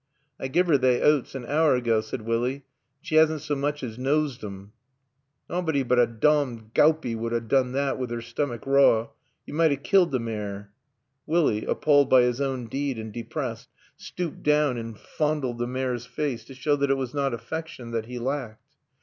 "I give 'er they oats an hour ago," said Willie. "An' she 'assn't so mooch as nosed 'em." "Nawbody but a donmed gawpie would have doon thot with 'er stoomach raw. Yo med 'ave killed t' mare." Willie, appalled by his own deed and depressed, stooped down and fondled the mare's face, to show that it was not affection that he lacked.